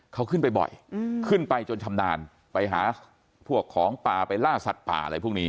เขาขึ้นไปบ่อยขึ้นไปจนชำนาญไปหาพวกของป่าไปล่าสัตว์ป่าอะไรพวกนี้